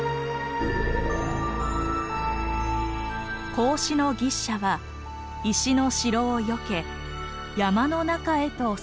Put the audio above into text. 孔子の牛車は石の城をよけ山の中へと進んでいきます。